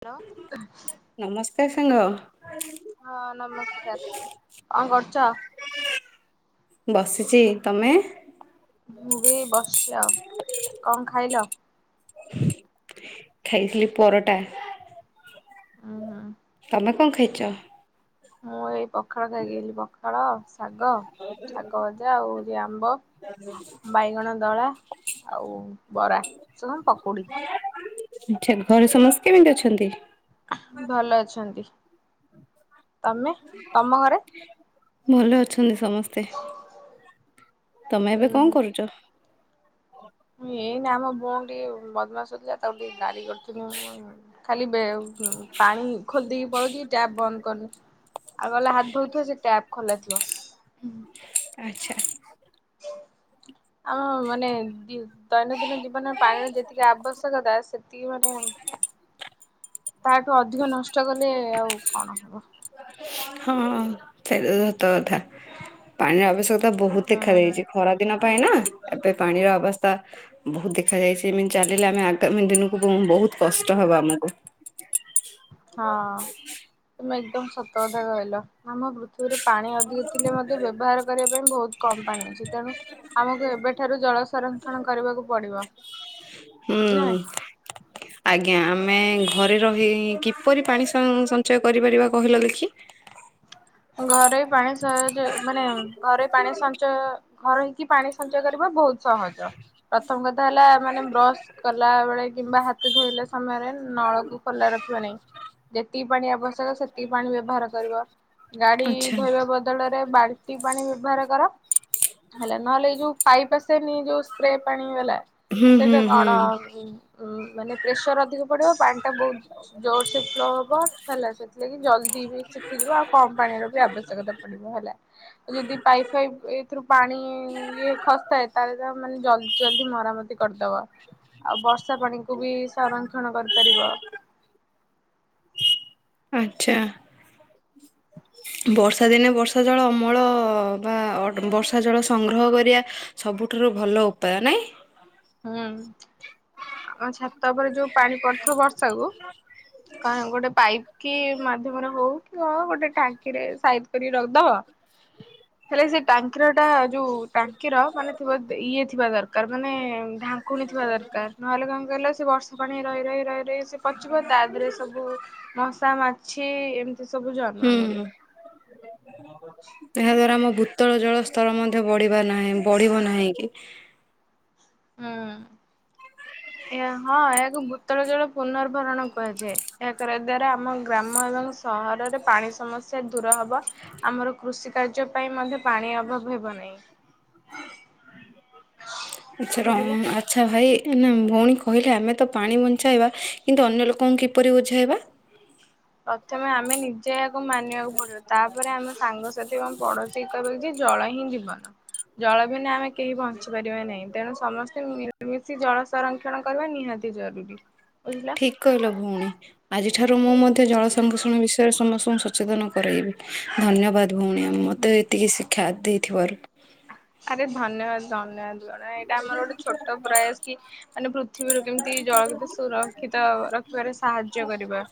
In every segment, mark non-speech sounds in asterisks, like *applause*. Hello ନମସ୍କାର ସା ଲ। ହଁ ନମସ୍କାର କଣ କରୁଚ? ବସିଚି। ତମେ? ମୁଁ ବି ବସିଚି ଆଉ। କଣ ଖାଇଲ? ଖାଇଥିଲି ପରଟା। ଉଁ ହୁଁ। ତମେ କଣ ଖାଇଛ? ମୁଁ ଏଇ ପଖାଳ ଖାଇକି ଆଇଲି। ପଖାଳ ଶାଗ ଶାଗ ଭଜା ଆହୁରି ଆମ୍ବ ବାଇଗଣ ଦଳା ଆଉ ବରା ଆଛା। ଘରେ ସମସ୍ତେ କେମିତି ଅଛନ୍ତି? ଭଲ ଅଛନ୍ତି। ତମେ, ତମ ଘରେ? ଭଲ ଅଛନ୍ତି ସମସ୍ତେ। ତମେ ହୁଁ ଏବେ କଣ କରୁଚ? ଏଇନେ ଆମ ଭଉଣୀ ଟିକେ ବଦମାସ ହଉଥିଲା। ତାକୁ ଟିକେ ଗାଳି କରିଥିଲି। ମୁଁ ଖାଲି ବେ ହୁଁ। ପାଣି ଖୋଲି ଦେଇକି ପଳଉଚି ଟ୍ୟାପ ବନ୍ଦ କରୁନି। ଆଉ ଗଲେ ହାତ ଧଉଥିବ ସେ ଟ୍ୟାପ ଖୋଲା ଥିବ। ହୁଁ। ଆଚ୍ଛା। ଆଉ ମାନେ ଦି ଦୈନନ୍ଦିନ ଜୀ ବନ ପାଣିର ଯେତିକି ଆବଶ୍ୟକତା ସେ ତିକି, ମାନେ ତାଠୁ ଅଧିକ ନଷ୍ଟ କଲେ ଆଉ କଣ ହବ। ହଁ। ସେଟା ସତ କଥା। ପାଣିର ଆବଶ୍ୟକତା ବହୁତ ହୁଁ ଦେଖା ଦେଇଚି। ଖରା ଦିନ ପାଇଁ ନା ଏବେ ପାଣିର ଅବସ୍ଥା ବହୁତ ଦେଖା ଯାଇଛି। ଏମିତି ଚାଲିଲେ ଆମେ ଆଗାମୀ ଦିନକୁ ବମ ବହୁତ କଷ୍ଟ ହବ ଆମକୁ। ହଁ ତମେ ଏକଦମ ସତ କଥା କହିଲ। ଆମ ପୃ ଥିବିରେ ପାଣି ଅଧିକ ଥିଲେ ମଧ୍ୟ ବ୍ୟବହାର କରିବା ପାଇଁ ବହୁତ କମ ପାଣି ଅଛି। ତେଣୁ ଆମକୁ ଏବେଠାରୁ ଜଳ ସଂରକ୍ଷଣ କରିବାକୁ ପଡିବ। ହୁଁ ନୁହେଁ? *inaudible* ଆଜ୍ଞା। ଆମେ ଘରେ ରହି କିପରି ପାଣି ସ ସଞ୍ଚୟ କରିପାରିବା, କହିଲ ଦେଖି? ଘରେ ବି ପାଣି ସ ସଂଚୟ ମାନେ ଘରେ ପାଣି ସଞ୍ଚୟ ଘରେ ରହିକି କି ପାଣି ସଞ୍ଚୟ କରିବା ବହୁତ ସହଜ। ପ୍ରଥମ କଥା ହେଲା ମାନେ ବ୍ରସ୍ କଲା ବେଳେ କିମ୍ବା ହା ତ ଧୋଇଲା ସମୟରେ ନଳକୁ ଖୋଲା ରଖିବା ନାଇଁ। ଯେତିକି ପାଣି ଆବଶ୍ୟକ ସେତିକି ପାଣି ବ୍ୟବହାର କରିବ। ଗାଡି ଆଚ୍ଛା ଧୋଇବା ବଦଳରେ ବାଲଟି ପାଣି ବ୍ୟବହାର କର। ହେଲା। ନହେଲେ ଏଇ ଯୋଉ ପାଇପ୍ ଆସେନି ଯୋଉ ସ୍ପ୍ରେ ପାଣି ବାଲା ହୁଁ ହୁଁ ସେଇଟା ହୁଁ କଣ ଉଁ ଉଁ ମାନେ ପ୍ରେସର ଅଧିକ ପଡିବ ପାଣି ଟା ବହୁତ ଜୋର ସେ ଫ୍ଲୋ ହବ ହେଲା। ସେଥିଲାଗି ଜଲଦି ବି ଶୁଖିଯିବ ଆଉ କମ ପାଣିର ବି ଆବଶ୍ୟକତା ପଡିବ ହେଲା। ଯଦି ପାଇପ୍ ଫାଇପ୍ ଏଇଥିରୁ ପାଣି ଇଏ ଖସିଥାଏ ତାହାଲେ ମାନେ ଜଲଦି ଜଲଦି ମରାମତି କରିଦବା। ଆଉ ବର୍ଷା ପାଣିକୁ ବି ସଂରକ୍ଷଣ କରିପାରିବ। ଆଚ୍ଛା। *unintelligible* ବର୍ଷା ଦିନେ ବର୍ଷା ଜଳ ଅମଳ ବା ବର୍ଷା ଜଳ ସଂଗ୍ରହ କରିବା ସବୁଠାରୁ ଭଲ ଉପାୟ। ନାଇଁ? ହୁଁ। ଆମ ଛାତ ଉପରେ ଯୋଉ ପାଣି ପଡିଥିବ ବର୍ଷା କୁ ଗୋଟେ ପାଇପ୍ କି ମାଧ୍ୟମରେ ହଉ କି କ ଗୋଟେ ଟାଙ୍କିରେ ସାଇଜ କରିକି ରଖିଦବ। ହେଲେ ସେ ଟାଙ୍କିର ଟା ଯୋଉ ଟାଙ୍କିର ମାନେ ଥିବା ଇଏ ଥିବା ଦରକାର। ମାନେ ଢାଙ୍କୁଣୀ ଥିବା ଦରକାର। ନହେଲେ କଣ କହିଲ, ସେ ବର୍ଷା ପାଣି ରହି ରହି ରହି ରହି ସେ ପଚିବ ତା ଦିରେ ସବୁ ମଶା ମାଛି ଏମ୍ ସବୁ ଜା ହୁଁ *unintelligible* ଏହା ଦ୍ଵାରା ଆମ ବୁତଳ ଜଳ ସ୍ତର ମଧ୍ୟ ବଢିବା ନାହିଁ ବଢିବ ନାହିଁ କି ହୁଁ ଏହା ହଁ ଏହାକୁ ଭୂତଳ ଜଳ ପୁନର୍ବାରଣ କୁହାଯାଏ ଏହା କରିବା ଦ୍ଵାରା ଆମ ଗ୍ରାମ ଏବଂ ସହରରେ ପାଣି ସମସ୍ୟା ଦୂର ହବ ଆମର କୃଷି କାର୍ଯ୍ୟ ପାଇଁ ମଧ୍ୟ ପାଣି ଅଭାବ ହେବ ନାହିଁ ଆଚଛ ର ଆଛା ବୁଝିଲ। *unintelligible* ଆଚ୍ଛା ଭାଇ ନା ଭଉଣୀ କହିଲେ ଆମେ ତ ପାଣି ବଞ୍ଚାଇବା କିନ୍ତୁ ଅନ୍ୟ ଲୋକଙ୍କୁ କିପରି ବୁଝାଇବା ପ୍ରଥମେ ଆମେ ନିଜେ ୟକୁ ମାନିବାକୁ ପଡିବ ତାପରେ ଆମ ସାଙ୍ଗସାଥି ଏବଂ ପଡୋଶୀ ସେ କହିବ କି ଜଳ ହିଁ ଜୀବନ ଜଳ ବି ନା ଆମେ କେହି ବଞ୍ଚି ଛି ପାରିବା ନାହିଁ ତେଣୁ ସମସ୍ତେ ମିମିଶି ଜଳ ସଂରକ୍ଷଣ କରିବା ନିହାତି ଜରୁରୀ ବୁଝିଲ ଠିକ୍ କହିଲ ଭଉଣୀ ଆଜିଠାରୁ ମୁଁ ମଧ୍ୟ ଜଳ ସଂରଷଣ ବିଷୟରେ ସମସ୍ତଙ୍କୁ ସଚେତନ କରାଇବି ଧନ୍ୟବାଦ ଭଉଣୀ ଆ ମତେ ଏତିକି ଶିକ୍ଷା ଦେଇଥିବାରୁ ଆରେ ଧନ୍ୟବାଦ ଧନ୍ୟବାଦ ଗଣ ଏଇଟା ଆମର ଗୋଟେ ଛୋଟ ପ୍ରୟାସ କି ମାନେ ପୃଥିବୀରୁ କେମିତି ଜଳ କିତ ସୁରକ୍ଷିତ ରଖିବାରେ ସାହାଯ୍ୟ କରିବା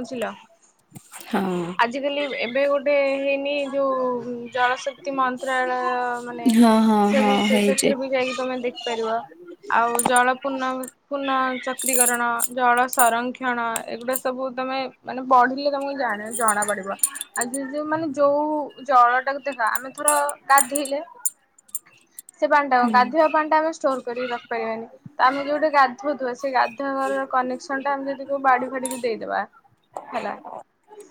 ବୁଝିଲ ହଁ। ଆଜିକାଲି ଏବେ ଗୋଟେ ହେଇନି ଯୋଉ ଜଳଶ ତି ମନ୍ତ୍ରାଳୟ ମାନେ ହଁ ହଁ ସେ ବି ହଁ ହେଇଛି ସେଥିରେ ବି ଯାଇକି ତମେ ଦେଖିପାରିବ ଆଉ ଜଳ ପୁଙ୍ଗ ପୁନଃ ଚକ୍ରି କରଣ ଜଳ ସଂରକ୍ଷଣ ଏବେ ସବୁ ତମେ ମାନେ ବଢିଲେ ତମକୁ ଜାଣ ଜଣା ପଡିବ ଆଜି ଯୋଉ ମାନେ ଯୋଉ ଜଳ ଟାକୁ ଦେଖ ଆମେ ଥର ଗାଧେଇଲେ ସେ ପାଣି ଟା ହୁଁ। ଗାଧୋଇବା ପାଣି ଟା ଆମେ ଷ୍ଟୋର କରିି ରଖପାରିବାନି ତ ଆମେ ଯୋଉଟେ ଗଧୁଥବା ସେଇ ଗାଧୁଆର କନେକ୍ସନ ଟା ଆମେ ଯଦିୋଉ ବାଡି ଫାଡିକୁ ଦେଇଦବା ହେଲା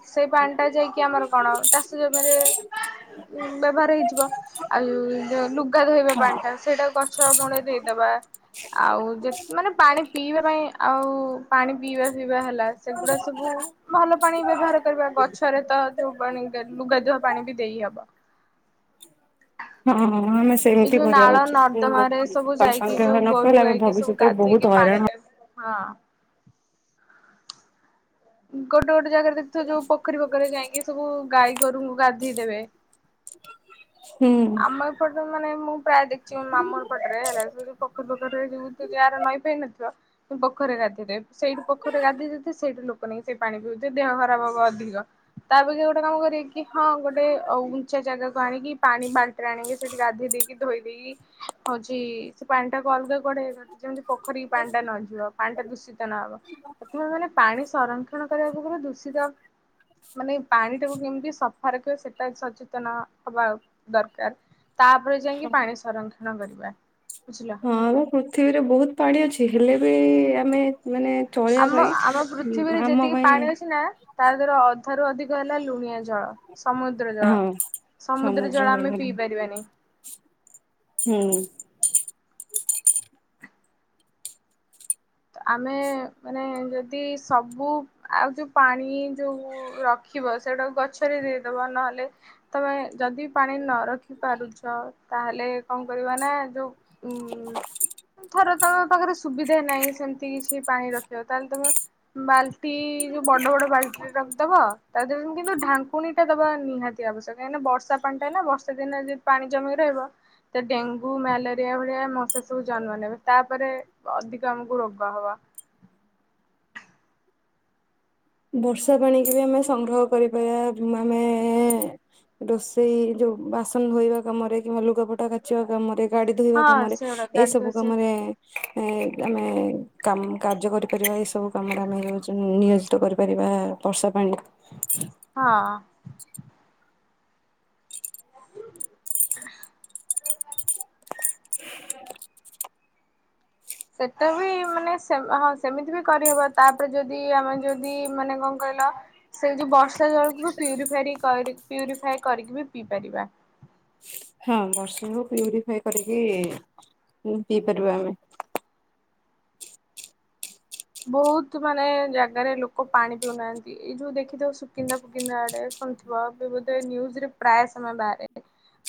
ସେଇ ପାନ୍ ଟା ଯାଇକି ଆମର କଣ ଚାଷ ଜମିରେ ଉ ବ୍ୟବହାର ହେଇଯିବ ଆଉ ଯୋଉ ଲୁଗା ଧୋଇବା ପାଣି ଟା ସେଇଟା ଗଛ ମୂଳେ ଦେଇଦବା ଆଉ ଯେ ମାନେ ପାଣି ପିଇବା ପାଇଁ ଆଉ ପାଣି ପିଇବା ପିଇବା ହେଲା ସେଗୁଡା ସବୁ ଭଲ ପାଣି ବ୍ୟବହାର କରିବା ଗଛରେ ତ ଯୋଉ ପାଣି ଲୁଗାଧୂଆ ପାଣି ବି ଦେଇହବ ହଁଁ ଏଇ ସେମିତି ଯୋଉ କରିବା ନାଳ ଉଚିତ ଗୋ ନର୍ଦ୍ଦମାରେ ସବୁ ଯାଇକି ଯୋଉ ସଂଗ୍ରହ ନ ଗୋରୁ କହଲେ ଆମେ ଗାଇକି ସବୁ ଭବିଷ୍ୟତରେ ଗାଧେଇକି ବହୁତ ପାଣି ହଇରାଣ ଟା ହଁ ଗୋଟେ ଗୋଟେ ଜାଗାରେ ଦେଖୁଥିବ ଯୋଉ ପୋଖୀ ପଖରରେ ଯାଇକି ସବୁ ଗାଈ ଗୋରୁଙ୍କୁ ଗାଧେଇ ଦେବେ ହୁଁ। ଆମ ଟ ମାନେ ମୁଁ ପ୍ରାୟ ଦେଖିଛି ମାମୁର ପଟରେ ହେଲା ସେ ଯୋଉ ପଖରୀ ପାଖରରେ ଯଉ ଯହାର ନଈନଥିବ ପୋରୀ ଗାଧୋଇରେ ସେଇଠୁ ପୋଖୀ ଗାଧ ଯଦି ସେଇଠୁ ଲୋକ କ ସେଇ ପାଣି ପିଉଛେ ଦେହ ଖରାପ ହବ ଅଧିକ ତାପେ ଗୋଟେ କାମ କରିବ ସେଇକି ହଁ ଗୋଟେ ଉଚ୍ଚା ଜାଗା କୁ ଆଣିକି ପାଣି ବାଲଟିରେ ଆଣିକି, ସେଠି ଗାଧେଇ ଦେଇକି ଧୋଇ ଦେଇକି ହଉଛି ସେ ପାଣି ଟାକୁ ଅଲ୍ ଗା କୁଆଳେ ଯେମିତି ପୋଖରୀ ପାଣି ଟା ନ ଯିବ ପାଣି ଟା ଦୂଷିତ ନହବ ପ୍ରଥମେ ମାନେ ପାଣି, ସଂରକ୍ଷଣ କରିବା ପୂର୍ବ ରୁ ଦୂଷିତ, ମାନେ ପାଣି ଟାକୁ କେମିତି ସଫା ରଖିବା ସେଟା ସଚେତନ ହବା ଆଉ, ଦରକାର ତାପରେ ଯାଇକି ହଁ। ପାଣି ସଂରକ୍ଷଣ କରିବା ବୁଝିଲ, ହଁ ଆମ ପୃଥିବୀରେ ବହୁତ ପାଣି ଅଛି ହେଲେ ବି ଆମେ ମାନେ, ଚଳିବା ପାଇଁ ଆମ-ଆମ ପୃଥିବୀରେ ଆମ ଯେତିକି ପାଇଁ ପାଣି ଅଛି ନା ତା ଭିତରୁ ଅଧାରୁ ଅଧିକ ହେଲା ଲୁଣିଆ ଜଳ, ସମୁଦ୍ର ହଁ ଜଳ-ସମୁଦ୍ର ଜଳ ଆମେ ପିଇ ପାରିବାନି, ହୁଁ, ତ ଆମେ ମାନେ ଯଦି ସବୁ, ଆଉ ଯୋଉ ପାଣି ଯୋଉ ରଖିବ ସେଟା ଗଛରେ ଦେଇଦବ ନହେଲେ, ତମେ ଯଦି ପାଣି ନ ରଖିପାରୁଛ ତାହେଲେ କଣ କରିବା ନା ଯେଉଁ, ଉୁଁ ଥର ତମ ପାଖରେ ସୁବିଧା ନାହିଁ, ସେମିତି କିଛି ପାଣି ରଖିବ ତାହେଲେ ତମେ ବାଲ୍ଟି ଯୋଉ ବଡ଼ ବଡ଼ ବାଲ୍ଟି ରେ ରଖିଦବ, ତାହ କିନ୍ତୁ ଢାଙ୍କୁକୁଣି ଟା ଦବା ନିହାତି ଆବଶ୍ୟକ କାଁଇନା ବର୍ଷ ପାଣି ଟା ନା ବର୍ଷା ଦିନରେ ଯଦି ପାଣି ଜମି କି ରହିବ, ସେ ଡେଙ୍ଗୁ ମ୍ୟାଲେରିଆ ଭଳିଆ ମଶା ସବୁ ଜନ୍ମ ନେବେ ତାପରେ ଅଧିକ ଆମକୁ ରୋଗ କ ହବ, ବର୍ଷା ପାଣି କି ବି ଆମେ ସଂଗ୍ରହ କରିପାରିବା ଆମେ, ରୋଷେଇ ଯୋଉ ବାସନ ଧୋଇବା କାମରେ କିମ୍ବା ଲୁଗାପଟା କାଚିବା କାମ ରେ, ଗାଡ଼ି ଧୋଇବା ହଁ କାମରେ ସେଗୁଡା ଏଇ ଗାଡି ସବୁ ଧୁଆ ସେ କାମରେ, ଏ ଆମେ କାମ କାର୍ଯ୍ୟ କରିପାରିବା ଏଇ ସବୁ କାମରେ ଆମେ ନି ଜି *unintelligible* ତୋ କରିପାରିବା ବର୍ଷା ପାଣି, ହଁ, *inaudible* ସେଟ ବି ମାନେ ସେ ହଁ ସେମିତି ବି କରିହେବ ତାପରେ ଯଦି ଆମେ ଯଦି ମାନେ କଣ କହିଲ, ସେଇ ଯୋଉ ବର୍ଷା ଜଳକୁ ବି ପିଉରିଫାରି କରି ପିଉରିଫାଇ କରିକି ବି ପିଇ ପାରିବା, ହଁ ବର୍ଷକୁ ପିଉରିଫାଇ କରିକି ହୁଁ ପିଇ ପାରିବା ଆମେ, ବହୁତ ମାନେ ଜାଗାରେ ଲୋକ ପାଣି ପିଉନାହାନ୍ତି, ଏଇ ଯୋଉ ଦେଖିଥିବ ସୁକିନ୍ଦା ଫୁକିନ୍ଦା ଆଡ଼େ ଶୁଣିଥିବ ଏବେବଧେ ନିୟୁଜ୍ ରେ ପ୍ରାୟ ସମୟ ବାହାରେ,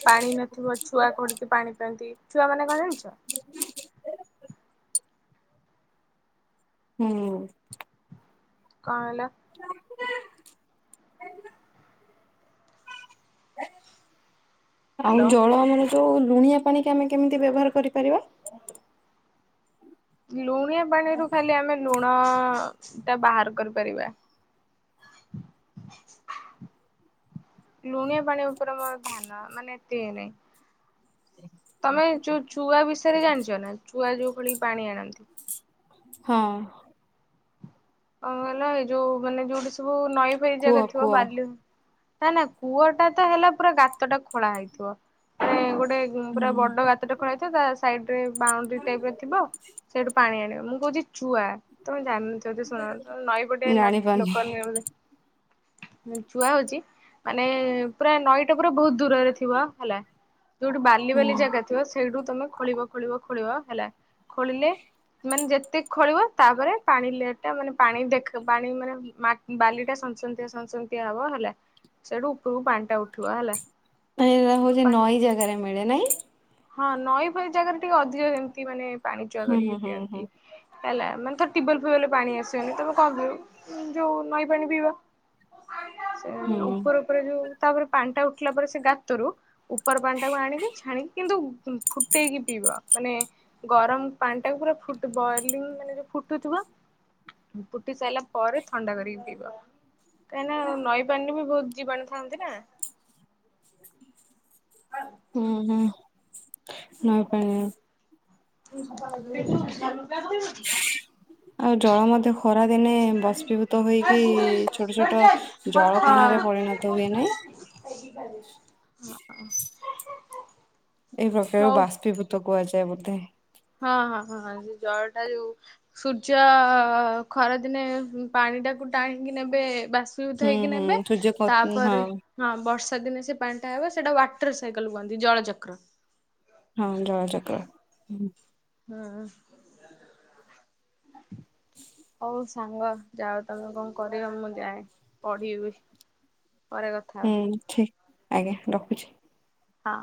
ପାଣି ନଥିବ ଛୁଆ କୋଉଠିକି ପାଣି ପିଆନ୍ତି ଛୁଆ ମାନେ କଣ ଜାଣିଛ? ହୁଁ, କଁ ହେଲା? ଆଉ ହ୍ୟାଲୋ ଜଳ ଆମର ଯୋଉ ଲୁଣିଆ ପାଣି କି ଆମେ କେମିତି ବ୍ୟବହାର କରିପାରିବା, ଲୁଣିଆ ପାଣିରୁ ଖାଲି ଆମେ ଲୁଣ ଟା ବାହାର କରିପାରିବା, *inaudible* ଲୁଣିଆ ପାଣି ଉପରେ ମୋର ଧ୍ୟାନ ମାନେ ଏତେ ଇଏ ନାହିଁ, ତମେ ଯୋଉ ଚୁଆ ବିଷୟରେ ଜାଣିଛ ନା ଚୁଆ ଯୋଉ ଖଳି ପାଣି ଆଣନ୍ତି, ହଁ, କଁ କିଲ ଏଇ ଯୋଉ ମାନେ ଯୋଉଠି ସବୁ ନଈ ଫଇ କୁହ ଜାଗା ଥିବ କୁହ ବାଲିରୁ, ନା-ନା କୂଅ ଟା ତ ହେଲା ପୁରା ଗାତଟା ଖୋଳା ହେଇଥିବ ମାନେ ଗୋଟେ, ହୁଁ ପୁରା ବଡ଼ ଗାତଟେ ଖୋଳାଇଥିବ ତା ସାଇଡ ରେ ବାଉଣ୍ଡରି ଟାଇପ ର ଥିବ, ସେଇଠୁ ପାଣି ଆଣିବ ମୁଁ କହୁଛି ଚୁଆ ତମେ ଜାଣିନ ଥିବ ସେ ଚୁଆ ତମେ ନଈ ପଟିଆ ଜାଣିପାରୁନି ଲୋକାଲରେ, ହଉ ଲେ, ଚୁଆ ହଉଛି ମାନେ ପୁରା ନଈଟା ପୁରା ବହୁତ ଦୂରରେ ଥିବ ହେଲା, ଯୋଉଠି ବାଲି-ବାଲି ହୁଁ ଜାଗା ଥିବ ସେଇଠୁ ତମେ ଖୋଳିବ-ଖୋଳିବ- ଖୋଳିବ ହେଲା, ଖୋଳିଲେ ମାନେ ଯେତେ ଖୋଳିବ ତାପରେ ପାଣି ଲେ ଟା ମାନେ ପାଣି ଦେଖ ପାଣି ମାନେ ମାଟ୍ ବାଲି ଟା ସନ୍ତସନ୍ତିଆ-ସନ୍ତସନ୍ତିଆ ହବ ହେଲା, ସେଠୁ ଉପରକୁ ପାଣି ଟା ଉଠିବ ହେଲା, ମାନେ ଏଗୁଳା ହେଉଛି ନଈ ଜାଗାରେ ମିଳେ ନେଇ ହଁ ନଈ ଫଇ ଜାଗାରେ ଟିକେ ଅଧିକ ଏମତି ମାନେ ପାଣି ଚୁଆ ହୁଁ କରିକି ହୁଁ ପିଅନ୍ତି। ହୁଁ ହେଲା ମାନେ ଥର ଟ୍ୟୁବଲ ଫିବଲ ରୁ ପାଣି ଆସିବନି ତମେ କଣ କରିବ ଯୋଉ ନଈ ପାଣି ପିଇବା। ସେଇ ହୁଁ। ଉପର ଉପରେ ଯୋଉ ତାପରେ ପାଣି ଟା ଉଠିଲା ପରେ ସେ ଗାତରୁ ଉପର ପାଣି ଟାକୁ ଆଣିବେ ଛାଣିକି କିନ୍ତୁ ଫୁ ଫୁଟେଇକି ପିଇବା ମାନେ ଗରମ ପାଣି ଟାକୁ ପୁରା ଫୁଟ ବଏଲିଂ ମାନେ ଯୋଉ ଫୁଟୁଥିବ ଫୁଟି ସାଇଲା ପରେ ଥଣ୍ଡା କରିକି ପିଇବ। କାହିଁନା ନଈ ପାଣିରେ ବି ବହୁତ ଜୀବାଣୁ ଥାନ୍ତି ନା। ହୁଁ ହୁଁ ନଇ ପାଣି *inaudible* ଆଉ ଜଳ ମଧ୍ୟ ଖ ଖରା ଦିନେ ବଷ୍ପୀଭୂତ ହୋଇକି ଛୋଟ ଛୋଟ ଜଳ କଣାରେ ପରିଣତ ହୁଏ ନା। *inaudible* ଏଇ ପ୍ରକାର ହଉ। ବାଷ୍ପୀଭୂତ କୁହାଯାଏ ବୋଧେ। ହଁ ହଁ ହଁ ହଁ ସେ ଜଳ ଟା ଯୋଉ ସୂର୍ଯ୍ୟ ଖରାଦିନେ ପାଣି ଟାକୁ ଟାଣିକି ନେବେ ବାସ୍ ତୁ ହୁଁ ଥାଇକି ହୁଁ ନେବେ ସୂର୍ଯ୍ୟ କ- ହଁ ତାପରେ ହଁ ବର୍ଷା ଦିନେ ସେ ପାଣି ଟା ହେବ ସେଟା ୱାଟର ସାଇକଲ କୁହନ୍ତି ଜଳଚକ୍ର। ହଁ ଜଳଚକ୍ର ହଁ *inaudible* ହଉ ସାଙ୍ଗ ଯାଅ ତମେ କଣ କରିବ ମୁଁ ଯାଏ ପଢିବି। ପରେ କଥା ହୁଁ ହବା ଠିକ୍ ଆଜ୍ଞା ରଖୁଛି ହଁ